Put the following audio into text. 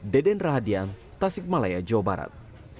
deden rahadian tasikmalaya jawa barat